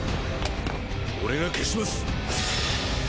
俺が消します。